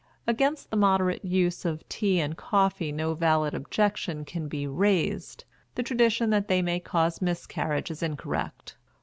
Against the moderate use of tea and coffee no valid objection can be raised; the tradition that they may cause miscarriage is incorrect.